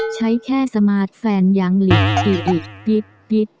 ใช้แค่สมาร์ทแฟนอย่างหลิบอิะยิดยิด